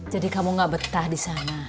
jadi kamu ga betah disana